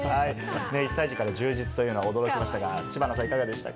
１歳児から充実というのは驚きましたが、知花さんいかがでしたか？